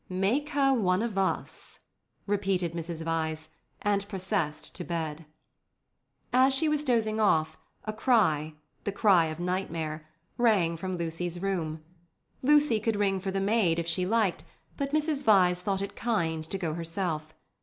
"Make her one of us," repeated Mrs. Vyse, and processed to bed. As she was dozing off, a cry—the cry of nightmare—rang from Lucy's room. Lucy could ring for the maid if she liked but Mrs. Vyse thought it kind to go herself.